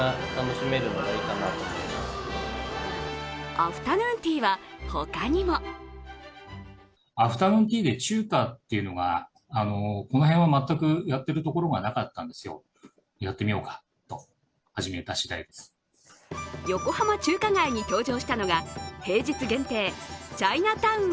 アフターヌーンティーは他にも横浜中華街に登場したのが、平日限定チャイナタウン